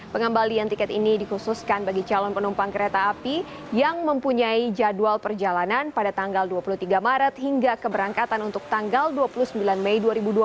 pengembalian tiket ini dikhususkan bagi calon penumpang kereta api yang mempunyai jadwal perjalanan pada tanggal dua puluh tiga maret hingga keberangkatan untuk tanggal dua puluh sembilan mei dua ribu dua puluh